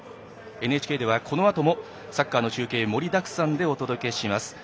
ＮＨＫではこのあともサッカーの中継盛りだくさんでお届けします。